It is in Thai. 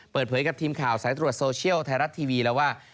เปิดเผยกับทีมข่าวสายตรวจโซเชียลไทยรัฐทีวีแล้วว่า